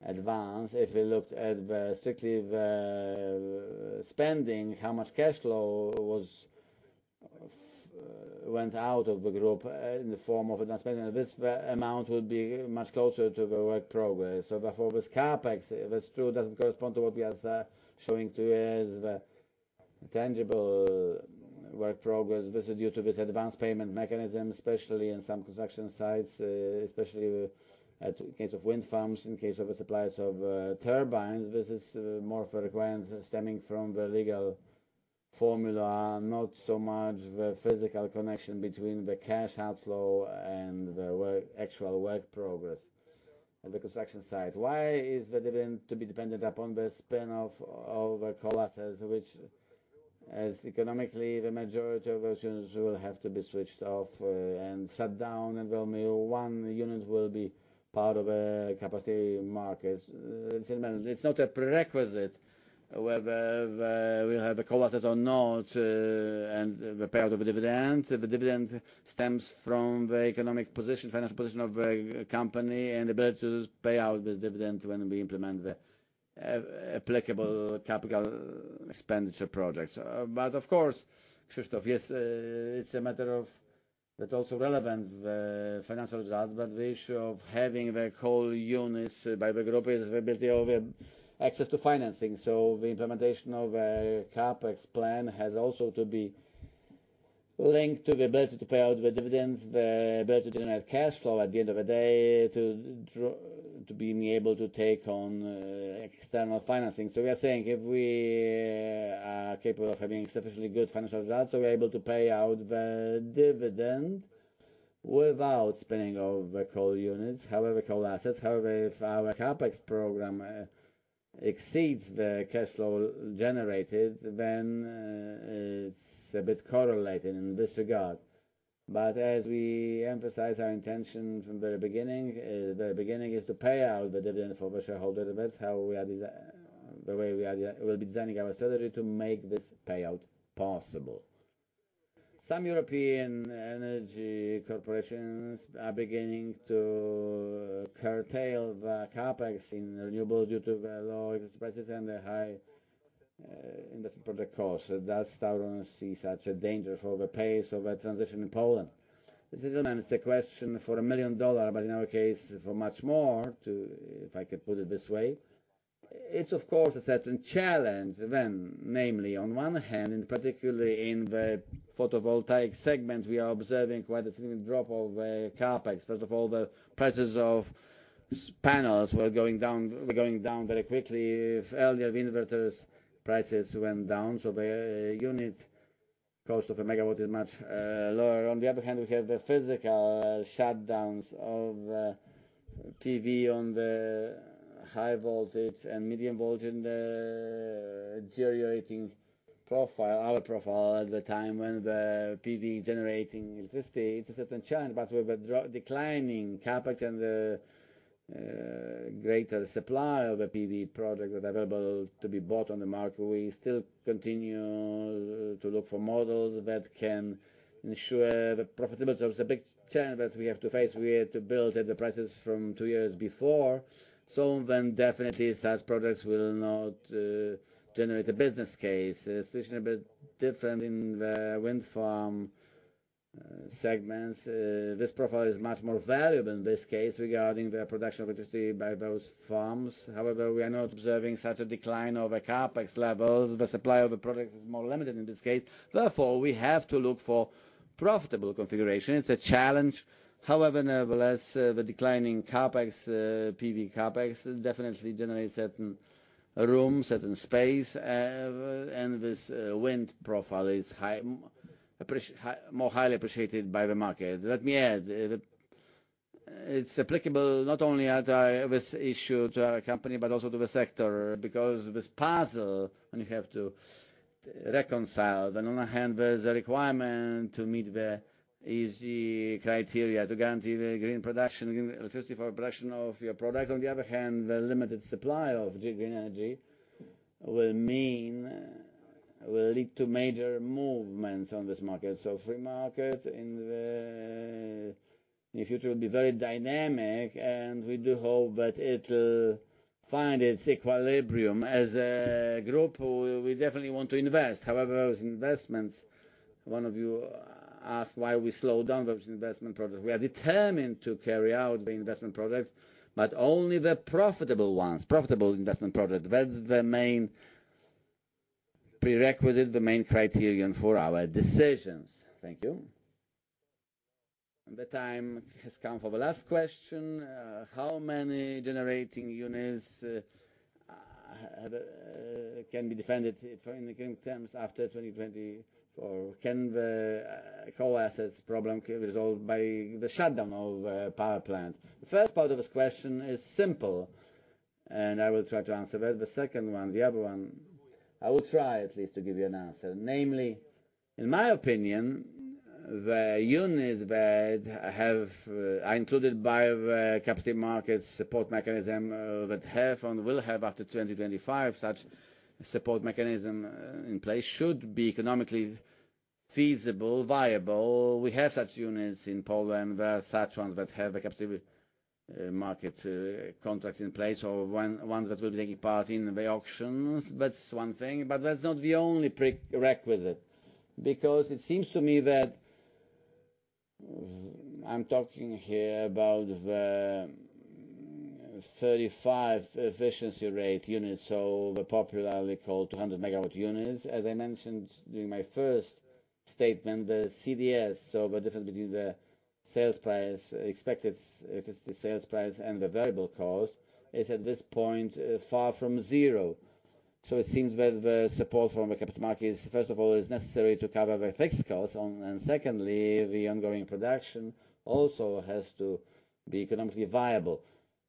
advance. If we looked at strictly the spending, how much cash flow went out of the group in the form of investment, and this amount would be much closer to the work progress. So therefore, this CapEx, that's true, doesn't correspond to what we are showing today as the tangible work progress. This is due to this advanced payment mechanism, especially in some construction sites, especially in the case of wind farms. In the case of the suppliers of turbines, this is more for requirements stemming from the legal formula, not so much the physical connection between the cash outflow and the work, actual work progress at the construction site. "Why is the dividend to be dependent upon the spin-off of the coal assets, which, as economically, the majority of those units will have to be switched off and shut down, and well, only one unit will be part of a capacity market?" It's not a prerequisite whether we have a coal asset or not, the payout of the dividend. The dividend stems from the economic position, financial position of the company, and the ability to pay out this dividend when we implement the applicable capital expenditure projects. But of course, Krzysztof, yes, it's a matter of that's also relevant, the financial results, but the issue of having the whole units by the group is the ability of access to financing. So the implementation of CapEx plan has also to be linked to the ability to pay out the dividends, the ability to generate cash flow at the end of the day, to being able to take on external financing. So we are saying, if we are capable of having sufficiently good financial results, so we're able to pay out the dividend without spinning off the coal units. However, coal assets, however, if our CapEx program exceeds the cash flow generated, then it's a bit correlated in this regard. But as we emphasize our intention from the very beginning, the very beginning, is to pay out the dividend for the shareholder. That's how we are desi- the way we are, we'll be designing our strategy to make this payout possible. Some European energy corporations are beginning to curtail the CapEx in renewable due to the low prices and the high, investment project costs. Does Tauron see such a danger for the pace of the transition in Poland? This is, and it's a question for a million dollar, but in our case, for much more, to... If I could put it this way. It's of course a certain challenge, when, namely, on one hand, and particularly in the photovoltaic segment, we are observing quite a significant drop of CapEx. First of all, the prices of solar panels were going down, were going down very quickly. If earlier, the inverters prices went down, so the unit cost of a megawatt is much lower. On the other hand, we have the physical shutdowns of PV on the high voltage and medium voltage, and the deteriorating profile, our profile at the time when the PV generating electricity. It's a certain challenge, but with the declining CapEx and the greater supply of a PV project that's available to be bought on the market, we still continue to look for models that can ensure the profitability. There's a big challenge that we have to face. We had to build at the prices from two years before, so then definitely such products will not generate a business case. It's actually a bit different in the wind farm segments. This profile is much more valuable in this case, regarding the production of electricity by those farms. However, we are not observing such a decline of a CapEx levels. The supply of the product is more limited in this case, therefore, we have to look for profitable configuration. It's a challenge, however, nevertheless, the declining CapEx, PV CapEx, definitely generates certain room, certain space and this wind profile is more highly appreciated by the market. Let me add, the... It's applicable not only at this issue to our company, but also to the sector, because this puzzle, when you have to reconcile, then on one hand, there is a requirement to meet the ESG criteria to guarantee the green production, electricity for production of your product. On the other hand, the limited supply of green energy will mean will lead to major movements on this market. So free market in the near future will be very dynamic, and we do hope that it find its equilibrium. As a group, we, we definitely want to invest. However, those investments, one of you asked why we slowed down those investment projects. We are determined to carry out the investment projects, but only the profitable ones, profitable investment projects. That's the main prerequisite, the main criterion for our decisions. Thank you. The time has come for the last question. How many generating units have can be defended for in the current terms after 2024? Can the coal assets problem be resolved by the shutdown of power plant? The first part of this question is simple, and I will try to answer that. The second one, the other one, I will try at least to give you an answer. Namely, in my opinion, the units that have are included by the capacity market support mechanism that have and will have after 2025, such support mechanism in place, should be economically feasible, viable. We have such units in Poland. There are such ones that have a capacity market contracts in place, or one ones that will be taking part in the auctions. That's one thing, but that's not the only pre-requisite, because it seems to me that, I'm talking here about the 35 efficiency rate units, so the popularly called 200 megawatt units. As I mentioned during my first statement, the CDS, so the difference between the sales price, expected sales price and the variable cost, is at this point, far from zero. So it seems that the support from the capacity market is, first of all, is necessary to cover the fixed cost, and secondly, the ongoing production also has to be economically viable.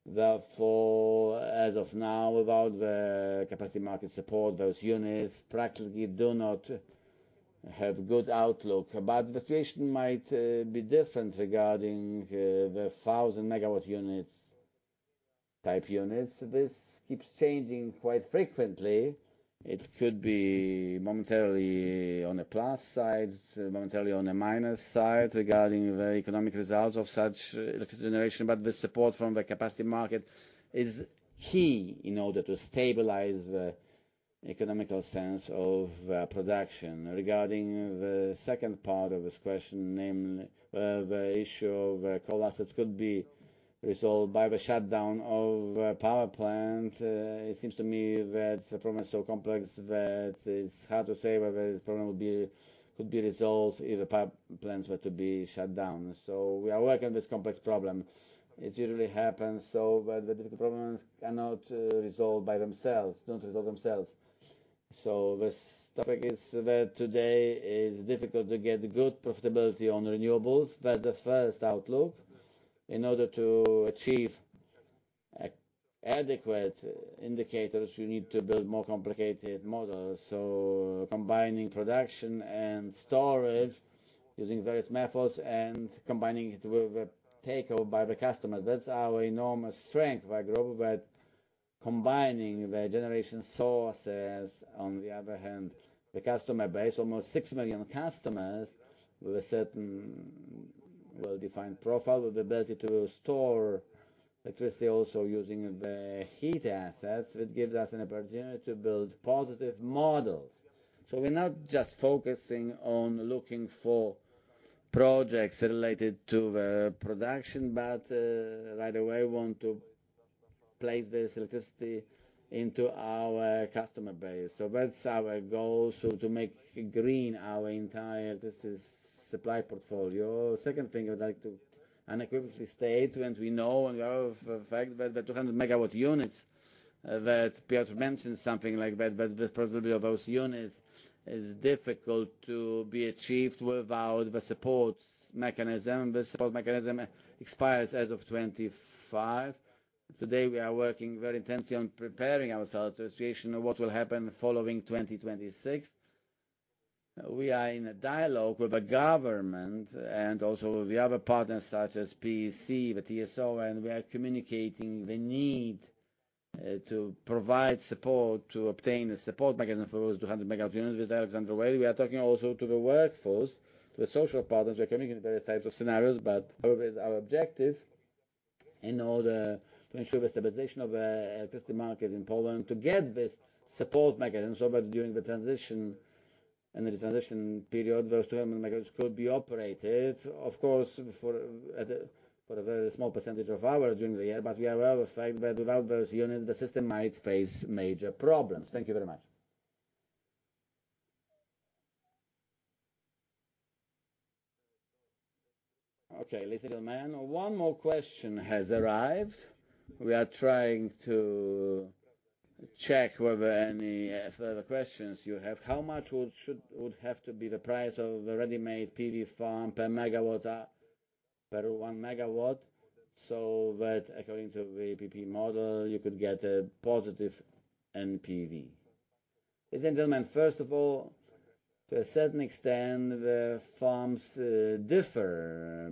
Therefore, as of now, without the capacity market support, those units practically do not have good outlook. But the situation might be different regarding the 1000 megawatt units... type units. This keeps changing quite frequently. It could be momentarily on the plus side, momentarily on the minus side, regarding the economic results of such electric generation. But the support from the capacity market is key in order to stabilize the economical sense of production. Regarding the second part of this question, namely, the issue of coal assets could be resolved by the shutdown of a power plant, it seems to me that the problem is so complex that it's hard to say whether this problem will be, could be resolved if the power plants were to be shut down. So we are working on this complex problem. It usually happens so that the problems cannot resolve by themselves, don't resolve themselves. So this topic is where today is difficult to get good profitability on renewables, that's the first outlook. In order to achieve adequate indicators, you need to build more complicated models. So combining production and storage using various methods and combining it with the takeover by the customers, that's our enormous strength, by group, with combining the generation sources. On the other hand, the customer base, almost six million customers, with a certain well-defined profile, with the ability to store electricity, also using the heat assets, which gives us an opportunity to build positive models. So we're not just focusing on looking for projects related to the production, but right away, want to place this electricity into our customer base. So that's our goal, so to make green our entire, this is, supply portfolio. Second thing, I'd like to unequivocally state, and we know and we are aware of the fact that the 200 megawatt units that Piotr mentioned, something like that, but the possibility of those units is difficult to be achieved without the support mechanism. The support mechanism expires as of 2025. Today, we are working very intensely on preparing ourselves the situation of what will happen following 2026. We are in a dialogue with the government and also with the other partners, such as PSE, the TSO, and we are communicating the need to provide support, to obtain the support mechanism for those 200 megawatt units. With Alexander Wely, we are talking also to the workforce, to the social partners. We're communicating various types of scenarios, but always our objective, in order to ensure the stabilization of electricity market in Poland, to get this support mechanism so that during the transition and the transition period, those 200 megawatts could be operated, of course, for, at a, for a very small percentage of hours during the year. But we are aware of the fact that without those units, the system might face major problems. Thank you very much. Okay, ladies and gentlemen, one more question has arrived. We are trying to check whether any further questions you have. "How much would, should- would have to be the price of a ready-made PV farm per megawatt, per 1 megawatt, so that according to the APP model, you could get a positive NPV?" Ladies and gentlemen, first of all, to a certain extent, the farms differ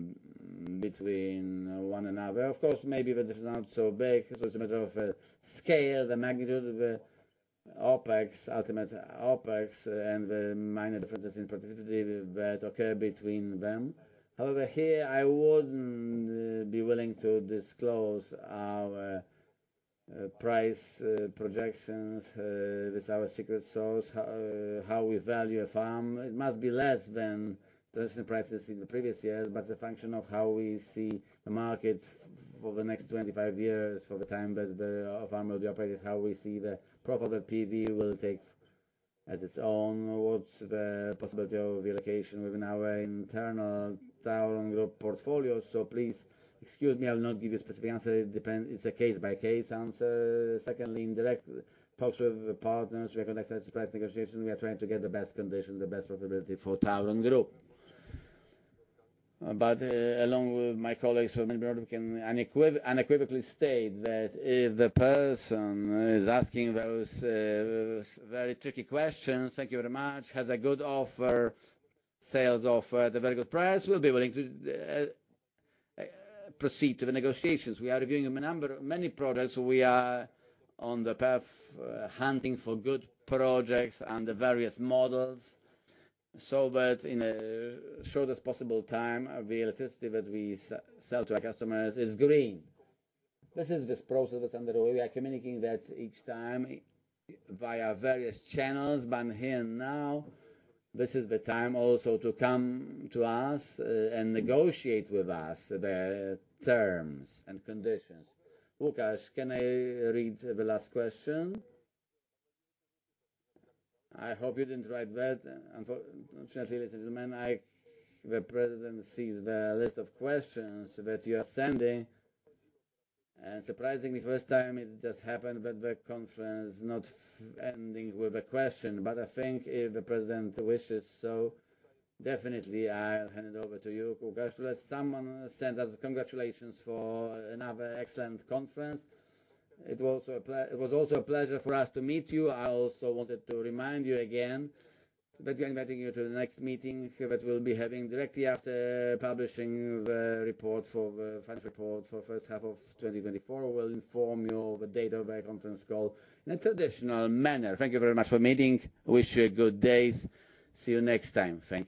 between one another. Of course, maybe that is not so big. So it's a matter of scale, the magnitude of the OpEx, ultimate OpEx, and the minor differences in productivity that occur between them. However, here, I wouldn't be willing to disclose our price projections. That's our secret sauce, how we value a farm. It must be less than the recent prices in the previous years, but the function of how we see the market for the next 25 years, for the time that the farm will be operated, how we see the profit, the PV will take as its own, what's the possibility of the allocation within our internal Tauron Group portfolio. So please excuse me, I will not give you a specific answer. It depends. It's a case-by-case answer. Secondly, indirect talks with the partners, we conduct price negotiation. We are trying to get the best condition, the best profitability for Tauron Group. But, along with my colleagues from abroad, we can unequivocally state that if the person who is asking those, those very tricky questions, thank you very much, has a good offer, sales offer at a very good price, we'll be willing to proceed to the negotiations. We are reviewing a number of many products. We are on the path, hunting for good projects and the various models, so that in the shortest possible time, the electricity that we sell to our customers is green. This is this process that's underway. We are communicating that each time via various channels, but here now, this is the time also to come to us, and negotiate with us the terms and conditions. Łukasz, can I read the last question? I hope you didn't write that. Unfortunately, ladies and gentlemen, I... The president sees the list of questions that you are sending, and surprisingly, first time it just happened, but the conference is not ending with a question. But I think if the president wishes so, definitely, I'll hand it over to you, Łukasz. Well, someone sent us congratulations for another excellent conference. It was also a pleasure for us to meet you. I also wanted to remind you again that we are inviting you to the next meeting, that we'll be having directly after publishing the financial report for first half of 2024. We'll inform you of the date of the conference call in a traditional manner. Thank you very much for meeting. Wish you a good day. See you next time. Thank you.